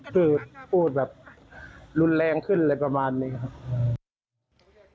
คือพูดแบบรุนแรงขึ้นอะไรประมาณนี้ครับ